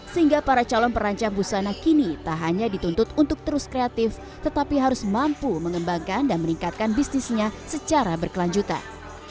sehingga para calon perancang busana kini tak hanya dituntut untuk terus kreatif tetapi harus mampu mengembangkan dan meningkatkan bisnisnya secara berkelanjutan